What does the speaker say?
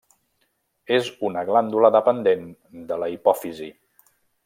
És una glàndula dependent de la hipòfisi.